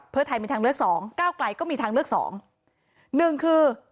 เพื่อไทยมีทางเลือก๒เก้าไกลก็มีทางเลือก๒